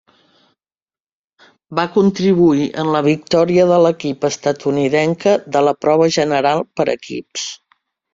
Va contribuir en la victòria de l'equip estatunidenca de la prova general per equips.